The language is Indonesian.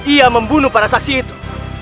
ia membunuh para saksi itu